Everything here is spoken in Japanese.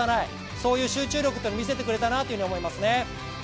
そういう集中力というのを見せてくれたかなと思いますね。